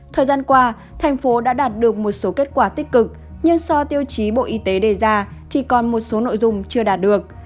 thời gian qua thành phố đã đạt được một số kết quả tích cực nhưng so tiêu chí bộ y tế đề ra thì còn một số nội dung chưa đạt được